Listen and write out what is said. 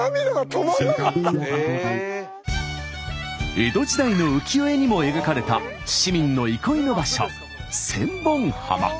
江戸時代の浮世絵にも描かれた市民の憩いの場所千本浜。